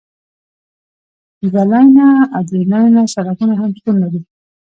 دوه لینه او درې لینه سړکونه هم شتون لري